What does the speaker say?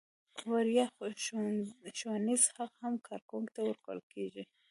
وړیا ښوونیز حق هم کارکوونکي ته ورکول کیږي.